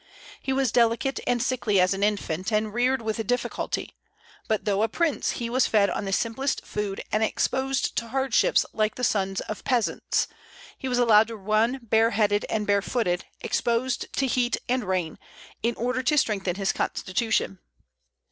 He was delicate and sickly as an infant, and reared with difficulty; but, though a prince, he was fed on the simplest food, and exposed to hardships like the sons of peasants; he was allowed to run bareheaded and barefooted, exposed to heat and rain, in order to strengthen his constitution.